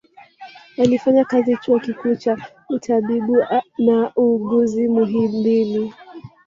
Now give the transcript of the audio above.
Alifanya kazi chuo kikuu cha utabibu na uuguzi muhimbili